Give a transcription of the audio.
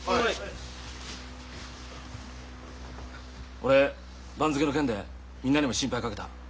俺番付の件でみんなにも心配かけた。